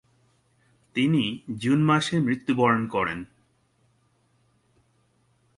তিনি জুন মাসে মৃত্যুবরণ করেন।